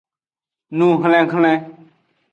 Nuhlinhlin.